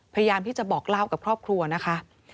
พยายามที่จะบอกเล่ากับครอบครัวนะคะ